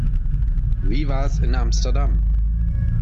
Wie war's in Amsterdam?